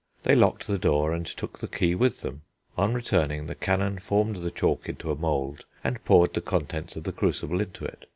They locked the door, and took the key with them. On returning, the canon formed the chalk into a mould, and poured the contents of the crucible into it.